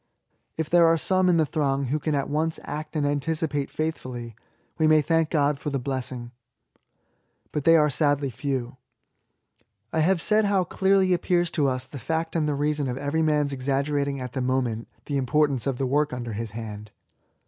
If there are some in the throng who can at once act and anticipate faithfully, we may thank God for the blessing. But they are sadly few. 80 ESSAYS. I have said how clearly appears to tis the fact and the reason of every man^B exaggeratii^ at the moment the importance of the work under his hand.